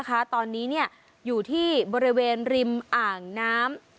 ท่องเที่ยวตอนนี้เนี่ยอยู่ที่บริเวณริมอ่างน้ำ